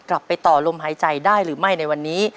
ไปต่อลมหายใจได้หรือไม่ในวันนี้